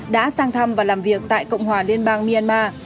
đã sang thăm và làm việc tại cộng hòa liên bang myanmar